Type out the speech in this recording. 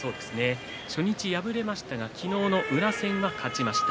初日敗れましたが昨日の宇良戦は勝ちました。